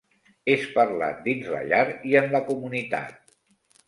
És parlat dins la llar i en la comunitat.